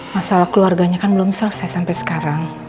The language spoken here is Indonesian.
masalah keluarganya kan belum selesai sampai sekarang